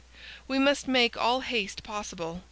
We must make all haste possible.